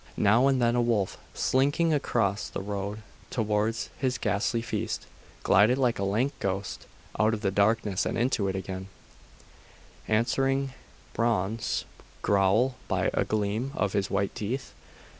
Now and then a wolf, slinking across the road towards his ghastly feast, glided like a lank ghost out of the darkness, and into it again, answering Bran's growl by a gleam of his white teeth.